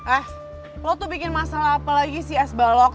eh lo tuh bikin masalah apa lagi sih es balok